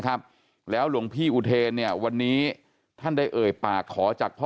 ครับแล้วหลวงพี่อุเทนเนี่ยวันนี้ท่านได้เอ่ยปากขอจากพ่อ